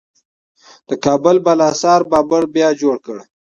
د کابل بالا حصار د بابر بیا جوړ کړ